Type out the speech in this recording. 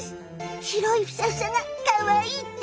白いフサフサがかわいいって！